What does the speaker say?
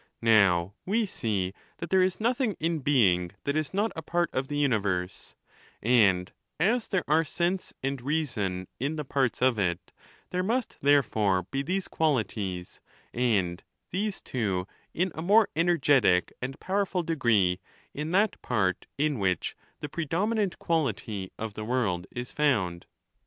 'Now, we see that there is nothing in being that is not a part of the universe ; and as there are sense and reason in the parts of it, there must therefore be these qualities, and these, too, in a more energetic and powerful degree, in that part in which the predominant quality of the world is found.